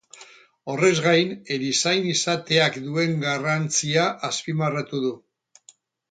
Horrez gain, erizain izateak duen garrantzia azpimarratu du.